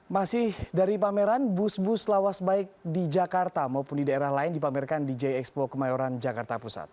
masih dari pameran bus bus lawas baik di jakarta maupun di daerah lain dipamerkan di j expo kemayoran jakarta pusat